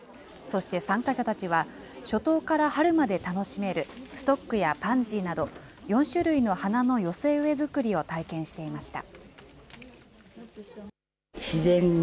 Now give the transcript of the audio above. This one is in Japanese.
そして参加者たちは、初冬から春まで楽しめるストックやパンジーなど、４種類の花の寄せ植え作りを体験していました。